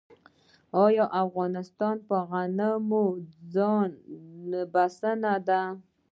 آیا افغانستان په غنمو ځان بسیا دی؟